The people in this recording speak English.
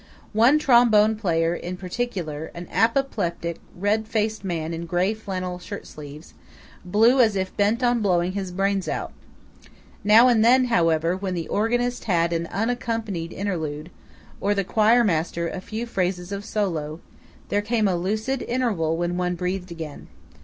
One trombone player, in particular, an apoplectic red faced man in grey flannel shirtsleeves, blew as if bent on blowing his brains out. Now and then, however, when the organist had an unaccompanied interlude, or the choirmaster a few phrases of solo, there came a lucid interval when one breathed again.